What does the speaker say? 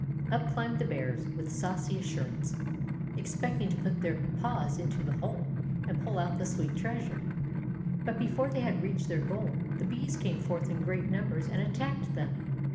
Up climbed the bears with saucy assurance, expecting to put their paws into the hole and pull out the sweet treasure. But before they had reached their goal the bees came forth in great numbers and attacked them.